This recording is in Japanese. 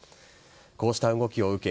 こうした動きを受け